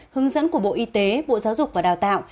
hướng dẫn của bộ y tế bộ giáo dục và đào tạo